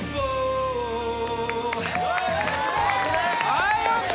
はいＯＫ！